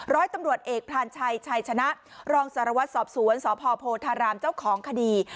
ร้อยตำรวจเอกพรานชัยชัยชนะรองสารวัตรสอบสวนสพโพธารามเจ้าของคดี